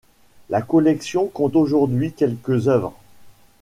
La collection compte aujourd'hui quelque œuvres.